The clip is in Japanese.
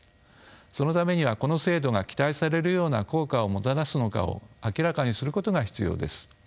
そのためにはこの制度が期待されるような効果をもたらすのかを明らかにすることが必要です。